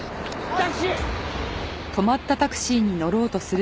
タクシー！